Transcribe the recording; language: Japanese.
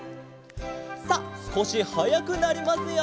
さあすこしはやくなりますよ。